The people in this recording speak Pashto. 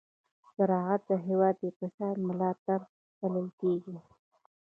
زراعت د هېواد د اقتصاد ملا تېر بلل کېږي.